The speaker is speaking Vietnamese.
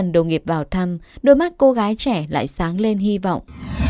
điệp vào thăm đôi mắt cô gái trẻ lại sáng lên hy vọng